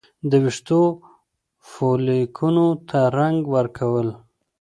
د ویښتو فولیکونو ته رنګ ورکول